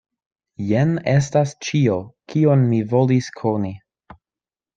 Jen estas ĉio, kion mi volis koni.